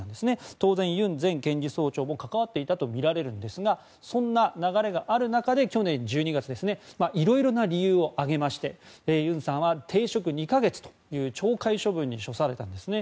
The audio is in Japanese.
当然、ユン前検事総長も関わっていたとみられるんですがそんな流れがある中で去年１２月いろいろな理由を挙げましてユンさんは停職２か月という懲戒処分に処されたんですね。